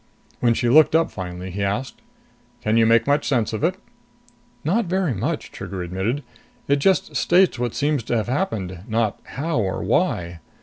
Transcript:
When she looked up finally, he asked, "Can you make much sense of it?" "Not very much," Trigger admitted. "It just states what seems to have happened. Not how or why.